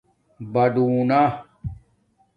بٹَنݳ